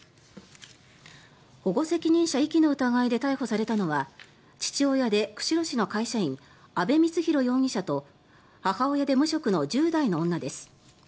保護責任者遺棄の疑いで逮捕されたのは父親で釧路市の会社員阿部光浩容疑者と母親で無職の１０代の女です。